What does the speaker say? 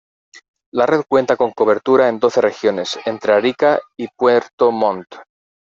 La red cuenta con cobertura en doce regiones, entre Arica y Puerto Montt.